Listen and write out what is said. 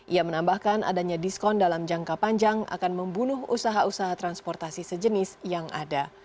ia menambahkan adanya diskon dalam jangka panjang akan membunuh usaha usaha transportasi sejenis yang ada